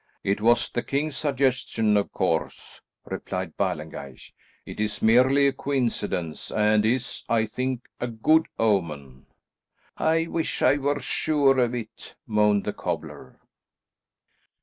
"It was the king's suggestion, of course," replied Ballengeich. "It is merely a coincidence, and is, I think, a good omen." "I wish I were sure of it," moaned the cobbler.